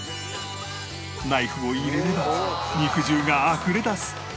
ナイフを入れれば肉汁があふれ出す